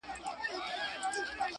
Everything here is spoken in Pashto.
د کوټې له دالانه لا نه وي راوتلی